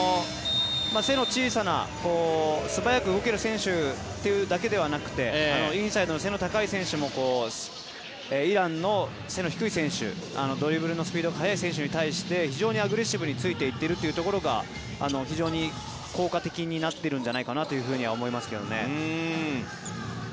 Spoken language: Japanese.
背の小さな素早く動ける選手というだけではなくてインサイドの背の高い選手もイランの背の低い選手ドリブルのスピードが速い選手に対して非常にアグレッシブについていっているところが非常に効果的になっているんじゃないかなと思いますけどね。